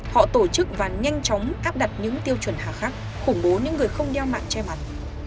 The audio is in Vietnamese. họ tổ chức và nhanh chóng áp đặt những tiêu chuẩn hạ khắc khủng bố những người không đeo mặt che mặt